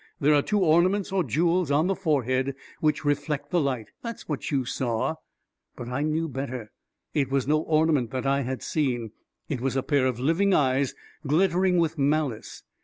There are two ornaments or jewels on the forehead which reflect the light — that's what you saw I " But I knew better. It was no ornament that I had seen ; it was a pair of living eyes, glittering with malice